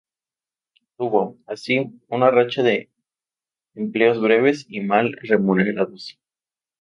Tuvo, así, una racha de empleos breves y mal remunerados.